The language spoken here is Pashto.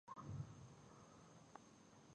د نیالګیو کینول کمپاینونه ګټور دي؟